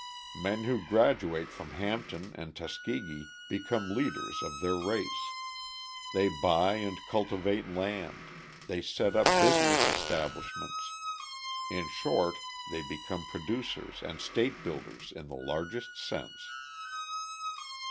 Men who graduate from Hampton and Tuskegee become leaders of their race. They buy and cultivate land, they set up business establishments in short, they become producers and state builders in the largest sense.